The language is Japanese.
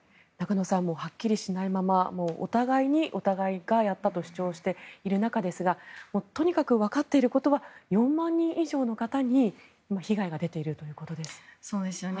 はっきりしないままお互いにお互いがやったと主張する中とにかく分かっていることは４万人以上の方に被害が出ているということですね。